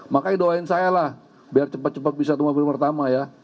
makanya doain saya lah biar cepat cepat bisa di mobil pertama ya